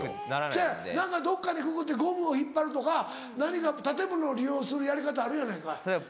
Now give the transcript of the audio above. ちゃうやん何かどっかにくくってゴムを引っ張るとか何か建物を利用するやり方あるやないかい。